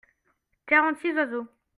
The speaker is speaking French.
quarante six oiseaux.